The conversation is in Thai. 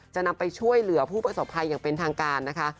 จะนำไปช่วยเหลือผู้ประสบภัยอย่างเป็นทางการนะคะ